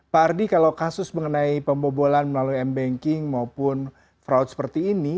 pak ardi kalau kasus mengenai pembobolan melalui m banking maupun fraud seperti ini